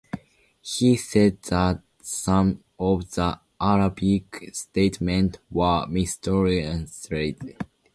He said that some of the Arabic statements were mistranslated.